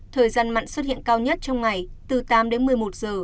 thời gian mặn xuất hiện cao nhất trong ngày từ tám đến một mươi một giờ